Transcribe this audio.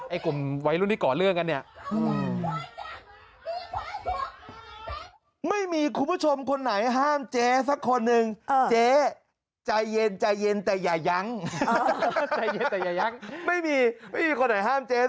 กลุ่มวัยรุ่นที่ก่อเรื่องกันเนี่ย